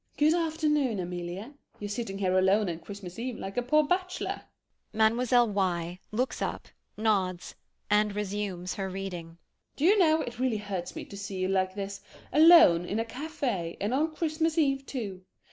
] MME. X. Good afternoon, Amelie. You're sitting here alone on Christmas eve like a poor bachelor! MLLE. Y. [Looks up, nods, and resumes her reading.] MME. X. Do you know it really hurts me to see you like this, alone, in a cafe, and on Christmas eve, too.